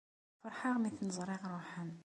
Ferḥeɣ mi ten-ẓriɣ ruḥen.